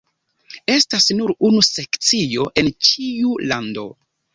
Estas nur unu sekcio en ĉiu lando.